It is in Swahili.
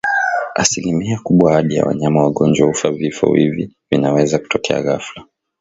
Asilimia kubwa hadi ya wanyama wagonjwa hufa Vifo hivi vinaweza kutokea ghafla